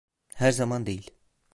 Her zaman değil.